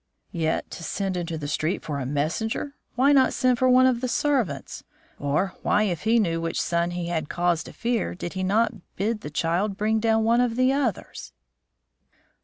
"Yet to send into the street for a messenger! Why not send for one of the servants? Or why, if he knew which son he had cause to fear, did he not bid the child bring down one of the others?"